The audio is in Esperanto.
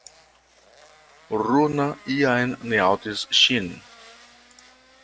Runa jam ne aŭdis ŝin.